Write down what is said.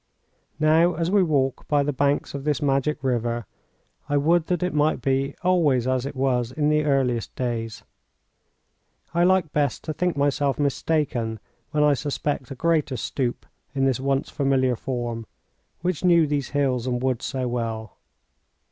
Now, as we walk by the banks of this magic river, I would that it might be always as it was in the earliest days. I like best to think myself mistaken when I suspect a greater stoop in this once familiar form which knew these hills and woods so well.